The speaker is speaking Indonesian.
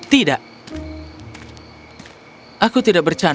aku tidak bercanda aku sungguh jatuh cinta dan